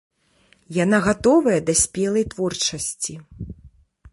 Яна гатовая да спелай творчасці.